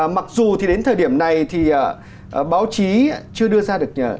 mặc dù thì đến thời điểm này thì báo chí chưa đưa ra được